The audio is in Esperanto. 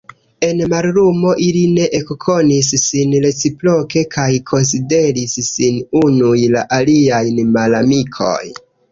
En mallumo ili ne ekkonis sin reciproke kaj konsideris sin unuj la aliajn malamikoj.